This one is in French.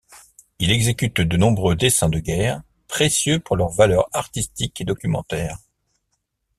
Il exécute de nombreux dessins de guerre, précieux pour leur valeur artistique et documentaire.